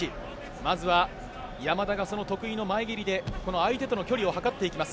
まずは山田が得意の前蹴りで相手との距離を測っていきます。